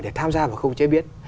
để tham gia vào khâu chế biến